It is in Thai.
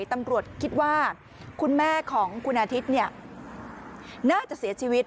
ตำรวจคิดว่าคุณแม่ของคุณอาทิตย์น่าจะเสียชีวิต